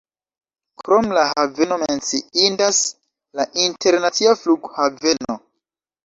Krom la haveno menciindas la internacia flughaveno.